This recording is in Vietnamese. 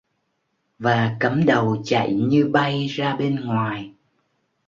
Và cắm đầu chạy như bay ra bên ngoài